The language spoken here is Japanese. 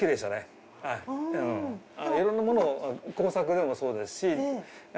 いろんなものを工作でもそうですし。